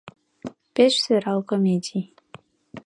Пеш сӧрал комедий.